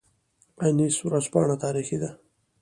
انیس ورځپاڼه تاریخي ده